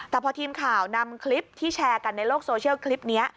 แต่พอทีมข่าวนำคลิปที่แชร์กันในโลกโซเชียลคลิปนี้